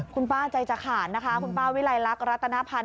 คุณป้าใจจะขาดนะคะคุณป้าวิลัยลักษ์รัตนภัณฑ